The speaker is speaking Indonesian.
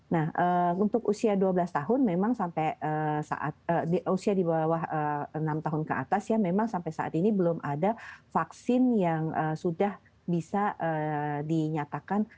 nah untuk usia dua belas tahun memang sampai saat usia di bawah enam tahun ke atas ya memang sampai saat ini belum ada vaksin yang sudah bisa dinyatakan